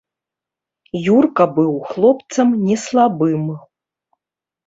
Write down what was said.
Юрка быў хлопцам не слабым.